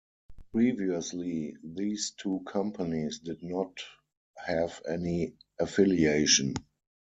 Previously, these two companies did not have any affiliation.